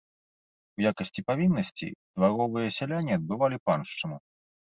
У якасці павіннасці дваровыя сяляне адбывалі паншчыну.